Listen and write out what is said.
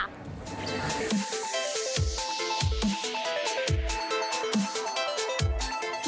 โอเคค่ะ